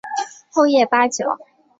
厚叶八角